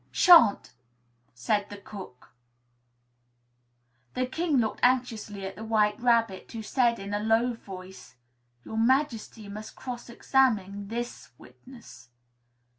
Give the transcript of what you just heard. "Sha'n't," said the cook. The King looked anxiously at the White Rabbit, who said, in a low voice, "Your Majesty must cross examine this witness."